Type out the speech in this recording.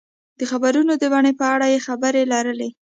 د خبرو د بڼې په اړه یې خبرې لري.